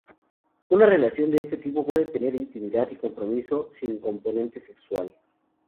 Una relación de este tipo puede tener intimidad y compromiso, sin componente sexual.